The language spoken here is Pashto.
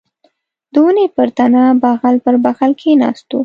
د ونې پر تنه بغل پر بغل کښېناستو.